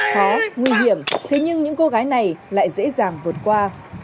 khá nguy hiểm thế nhưng những cô gái này lại dễ dàng vượt qua